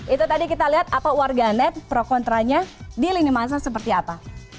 itu tadi kita lihat apa warga net pro kontranya di lini masa seperti apa